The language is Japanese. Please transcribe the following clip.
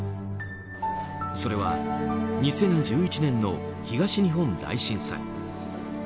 それは２０１１年の東日本大震災。